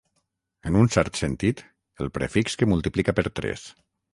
En un cert sentit, el prefix que multiplica per tres.